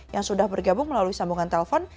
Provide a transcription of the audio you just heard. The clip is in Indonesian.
yang sudah bergabung melalui sambungan telpon